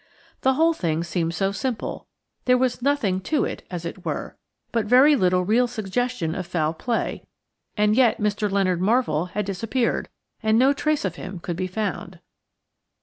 The whole thing seemed so simple. There was nothing "to it" as it were, and but very little real suggestion of foul play, and yet Mr. Leonard Marvell had disappeared, and no trace of him could be found.